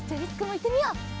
いってみよう！